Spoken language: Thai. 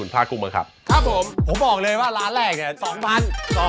พลาดกุ้งเบิร์กครับครับผมผมบอกเลยว่าร้านแรกนี้๒๐๐๐บาท